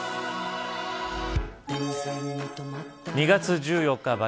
２月１４日